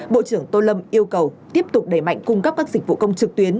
bộ trưởng tô lâm yêu cầu tiếp tục đẩy mạnh cung cấp các dịch vụ công trực tuyến